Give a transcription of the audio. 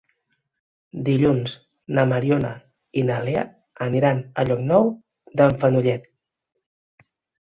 Dilluns na Mariona i na Lea aniran a Llocnou d'en Fenollet.